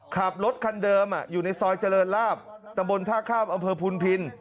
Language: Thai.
ขับรถคันเดิมอยู่ในซอยเจริญลาบตำบลท่าข้ามอำเภอพุนพิน